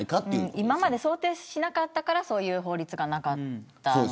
今まで想定しなかったからそういう法律がなかったんですし。